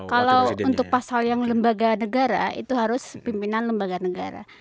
kalau untuk pasal yang lembaga negara itu harus pimpinan lembaga negara